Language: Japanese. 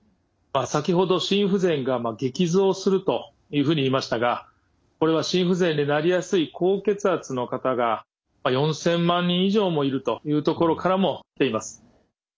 先ほど心不全が激増するというふうに言いましたがこれは心不全になりすい高血圧の方が４，０００万人以上もいるというところからも来ています。